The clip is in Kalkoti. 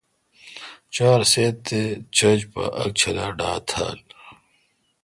چار سیت تے°چھج پا اک چھلا ڈھا تال۔